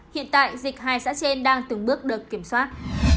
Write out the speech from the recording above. hiện tại dịch hai xã trên đang từng bước được kiểm soát